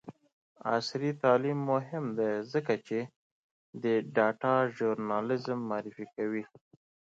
عصري تعلیم مهم دی ځکه چې د ډاټا ژورنالیزم معرفي کوي.